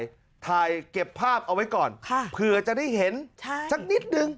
แล้วก็ถ่ายเก็บภาพเอาไว้ก่อนเผื่อจะได้เห็นสักนิดนึง